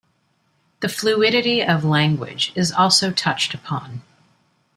The fluidity of language is also touched upon.